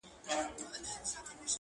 o په لوړو سترګو ځمه له جهانه قاسم یاره,